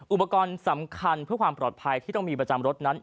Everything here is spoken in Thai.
อุปกรณ์สำคัญเพื่อความปลอดภัยที่ต้องมีประจำรถนั้น